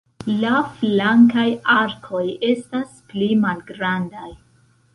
La flankaj arkoj estas pli malgrandaj.